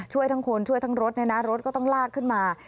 ช่วยทั้งคนช่วยทั้งรถเนี่ยนะรถก็ต้องลากขึ้นมา